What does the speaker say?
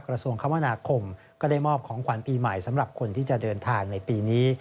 กระทรวงคมนาคมก็ได้มอบของขวัญปีใหม่สำหรับคนที่จะเดินทางในปีนี้